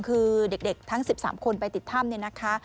คือเด็กทั้ง๑๓คนไปติดถ้ำ